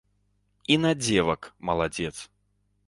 І на дзевак маладзец.